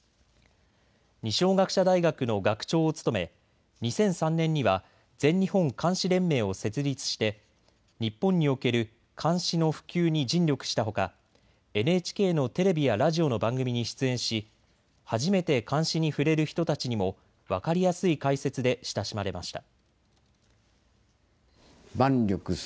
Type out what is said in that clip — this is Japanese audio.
二松学舎大学の学長を務め２００３年には全日本漢詩連盟を設立して日本における漢詩の普及に尽力したほかＮＨＫのテレビやラジオの番組に出演し、初めて漢詩に触れる人たちにも分かりやすい解説で親しまれました。